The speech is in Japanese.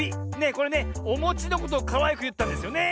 これねおもちのことをかわいくいったんですよね？